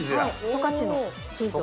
十勝のチーズを。